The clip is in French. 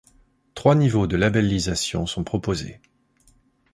Trois niveaux de labellisation sont proposés.